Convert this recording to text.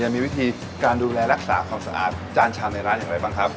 มีวิธีการดูแลรักษาความสะอาดจานชามในร้านอย่างไรบ้างครับ